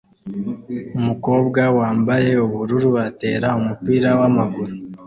umukobwa wambaye ubururu atera umupira wamaguru